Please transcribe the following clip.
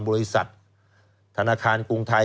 บริษัทธนาคารกรุงไทย